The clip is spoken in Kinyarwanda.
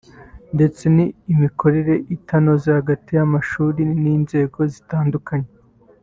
ndetse n’imikoranire itanoze hagati y’amashuri n’inzego zitandukanye